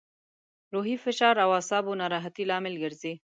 روحي فشار او اعصابو ناراحتي لامل ګرځي.